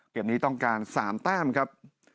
เกี่ยวนี้ต้องการ๓ตั้งครับ